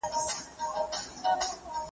نن مي پر زړه باندي را اورې څه خوږه لګېږې .